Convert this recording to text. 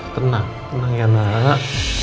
tenang ya nak